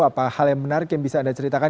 apa hal yang menarik yang bisa anda ceritakan